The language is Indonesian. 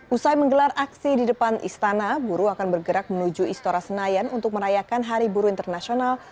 usai menggelar aksi di depan istana buruh akan bergerak menuju istora senayan untuk merayakan hari buru internasional